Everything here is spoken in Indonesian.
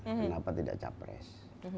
kenapa tidak capres